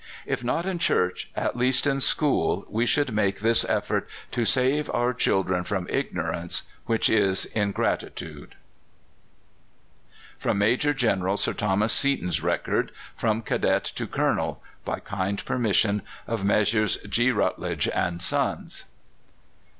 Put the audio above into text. If not in church, at least in school, we should make this effort to save our children from ignorance, which is ingratitude. From Major General Sir Thomas Seaton's record, "From Cadet to Colonel." By kind permission of Messrs. G. Routledge and Sons.